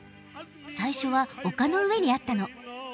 最初は丘の上にあったの。